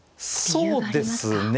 そうですね。